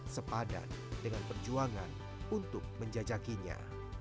sepadan dengan perjuangan untuk menjajakinya